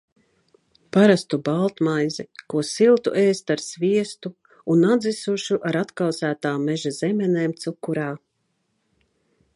Parastu baltmaizi, ko siltu ēst ar sviestu un atdzisušu ar atkausētām meža zemenēm cukurā.